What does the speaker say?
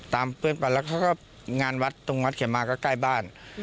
เพื่อนไปแล้วเขาก็งานวัดตรงวัดเขียนมาก็ใกล้บ้าน